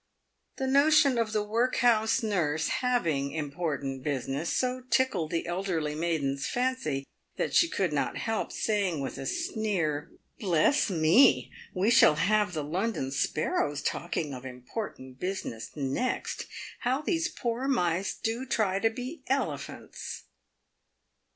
The notion of the workhouse nurse having important business so tic&led the elderly maiden's fancy that she could not help saying, with a sneer, " Bless me ! we shall have the London sparrows talking of important business next I How these poor mice do try to be elephants